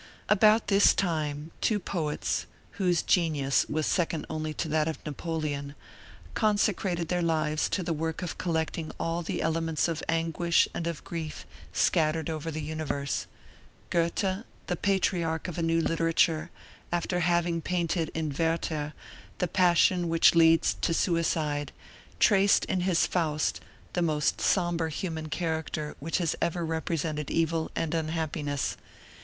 About this time two poets, whose genius was second only to that of Napoleon, consecrated their lives to the work of collecting all the elements of anguish and of grief scattered over the universe. Goethe, the patriarch of a new literature, after having painted in "Werther" the passion which leads to suicide, traced in his "Faust" the most somber human character which has ever represented evil and unhappiness.